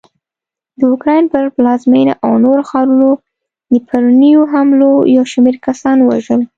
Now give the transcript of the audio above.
د اوکراین پر پلازمېنه او نورو ښارونو د پرونیو حملو یوشمېر کسان ووژل